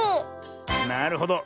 なるほど。